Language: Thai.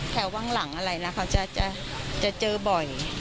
ว่างหลังอะไรนะเขาจะเจอบ่อย